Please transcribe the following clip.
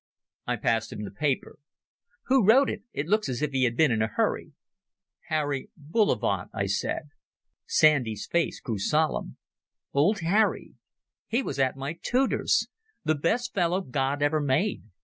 I passed him the paper. "Who wrote it? It looks as if he had been in a hurry." "Harry Bullivant," I said. Sandy's face grew solemn. "Old Harry. He was at my tutor's. The best fellow God ever made.